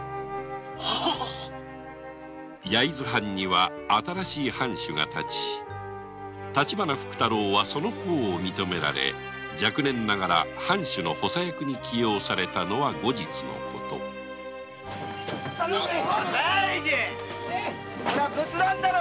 焼津藩には新しい藩主が立ち立花福太郎は功を認められて若年ながら藩主の補佐役に起用されたのは後日のことそれ仏壇だろ？